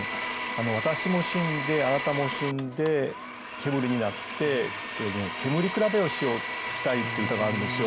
「私も死んであなたも死んで煙になって煙くらべをしたい」っていう歌があるんですよ。